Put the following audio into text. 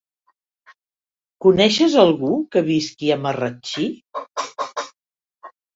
Coneixes algú que visqui a Marratxí?